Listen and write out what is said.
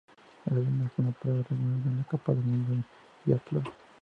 Es además una parada regular de la Copa del Mundo de biatlón.